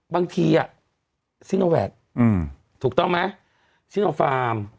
บางทีอ่ะซิโนแวคถูกต้องไหมซิโนฟาร์ม